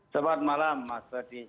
selamat malam mas wahyu